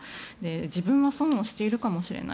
自分が損をしているかもしれない。